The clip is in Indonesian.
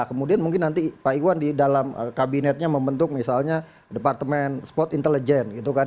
kemudian mungkin nanti pak iwan di dalam kabinetnya membentuk misalnya departemen spot intelligence gitu kan